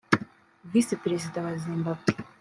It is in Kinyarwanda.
Visi Perezida wa Zimbabwe